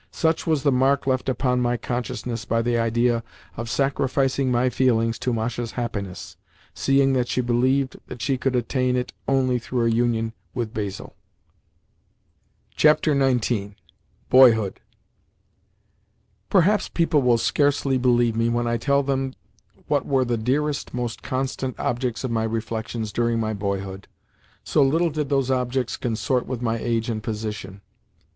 Such was the mark left upon my consciousness by the idea of sacrificing my feelings to Masha's happiness, seeing that she believed that she could attain it only through a union with Basil. XIX. BOYHOOD Perhaps people will scarcely believe me when I tell them what were the dearest, most constant, objects of my reflections during my boyhood, so little did those objects consort with my age and position.